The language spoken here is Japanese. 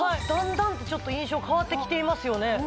だんだんと印象変わってきていますよね